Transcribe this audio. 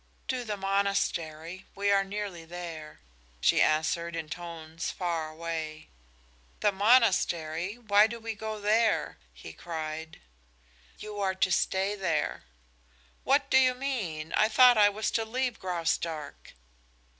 "To the monastery. We are nearly there." she answered, in tones far away. "The monastery? Why do we go there?" he cried. "You are to stay there." "What do you mean? I thought I was to leave Graustark."